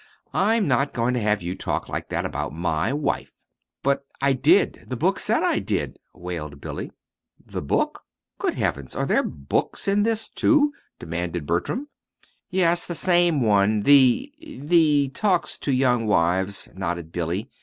"I'm not going to have you talk like that about my wife!" "But I did the book said I did," wailed Billy. "The book? Good heavens! Are there any books in this, too?" demanded Bertram. "Yes, the same one; the the 'Talks to Young Wives,'" nodded Billy.